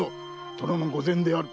殿の御前である。